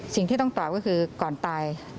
สิ่งที่ต้องตอบก็คือก่อนตาย